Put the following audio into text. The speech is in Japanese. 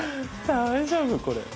大丈夫これ？